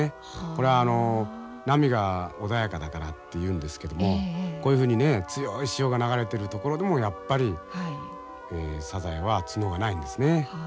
これは波が穏やかだからっていうんですけどもこういうふうに強い潮が流れてる所でもやっぱりサザエは角がないんですね。